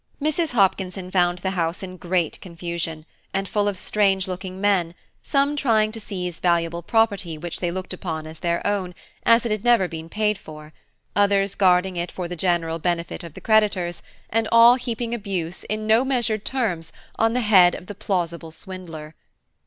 Mrs. Hopkinson found the house in great confusion, and full of strange looking men, some trying to seize valuable property which they looked upon as their own, as it had never been paid for–others guarding it for the general benefit of the creditors, and all heaping abuse, in no measured terms, on the head of the plausible swindler.